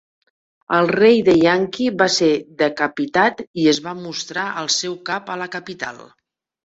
El rei de Yanqi va ser decapitat i es va mostrar el seu cap a la capital.